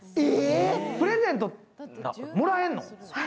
プレゼント、もらえるの？